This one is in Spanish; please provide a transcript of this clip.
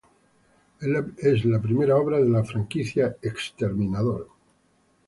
Es la primera obra de la franquicia Terminator.